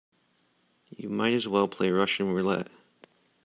You might as well play Russian roulette.